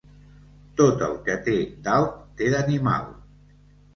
Tot el que té d'alt, té d'animal.